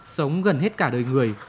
sống gần hết cả đời người